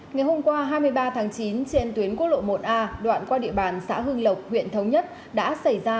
ngày hôm qua hai mươi ba tháng chín trên tuyến quốc lộ một a đoạn qua địa bàn xã hưng lộc huyện thống nhất đã xảy ra